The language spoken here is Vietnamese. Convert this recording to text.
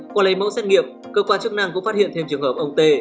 qua lấy mẫu xét nghiệm cơ quan chức năng cũng phát hiện thêm trường hợp ông tê